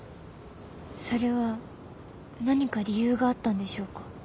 それは何か理由があったんでしょうか？